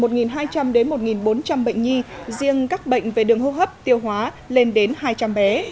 một hai trăm linh đến một bốn trăm linh bệnh nhi riêng các bệnh về đường hô hấp tiêu hóa lên đến hai trăm linh bé